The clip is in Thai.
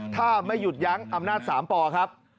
ถ้าไม่หยุดยั้งอำนาจ๓ปครับ